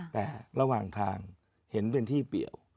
แต่ระหว่างทางเห็นเป็นที่เปรียว